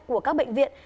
của các bệnh viện